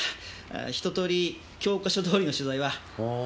一通り教科書どおりの取材は。